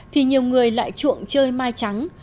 thì nhiều người lại chuộng chơi mai trắng